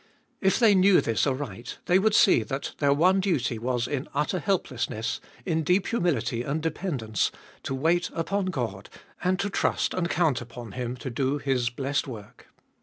If they knew this aright, they would see that their one duty was in utter helplessness, in deep humility and dependence, to wait upon God and to trust and count upon Him to do His blessed work.